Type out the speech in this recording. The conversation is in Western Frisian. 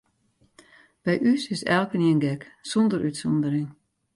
By ús is elkenien gek, sûnder útsûndering.